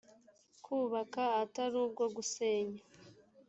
kubaka atari ubwo gusenya